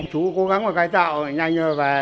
chú cố gắng mà cải tạo nhanh về